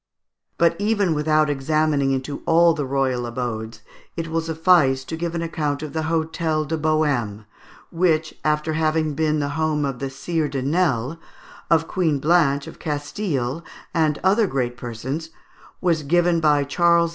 But even without examining into all the royal abodes, it will suffice to give an account of the Hôtel de Bohême, which, after having been the home of the Sires de Nesles, of Queen Blanche of Castille, and other great persons, was given by Charles VI.